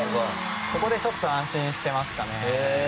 ここでちょっと安心してますかね。